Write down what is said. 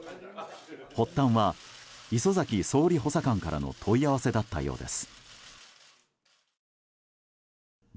発端は礒崎総理補佐官からの問い合わせだったようです。